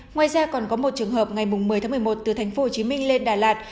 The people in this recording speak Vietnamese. ngoài ra còn có một trường hợp ngày một mươi tháng một mươi một từ tp hcm lên đà lạt